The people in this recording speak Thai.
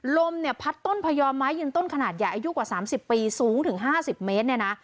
ลมเนี่ยพัดต้นพยอมไม้ยืนต้นขนาดใหญ่อายุกว่า๓๐ปีสูงถึง๕๐เมตรเนี่ยนะ